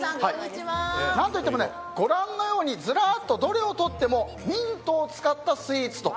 何といっても、ご覧のようにずらっとどれをとってもミントを使ったスイーツと。